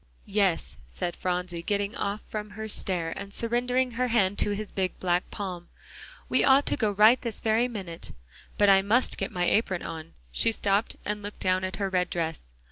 "Yes," said Phronsie, getting off from her stair, and surrendering her hand to his big black palm, "we ought to go right this very minute. But I must get my apron on;" she stopped and looked down at her red dress.